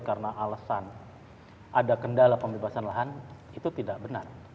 karena alasan ada kendala pembebasan lahan itu tidak benar